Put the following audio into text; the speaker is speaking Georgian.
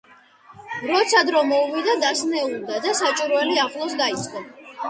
როცა დრო მოუვიდა, დასნეულდა და საჭურველი ახლოს დაიწყო.